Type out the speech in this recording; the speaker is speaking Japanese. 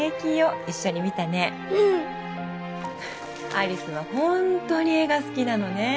有栖はホントに絵が好きなのね